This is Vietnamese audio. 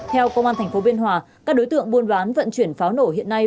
theo công an tp biên hòa các đối tượng buôn bán vận chuyển pháo nổ hiện nay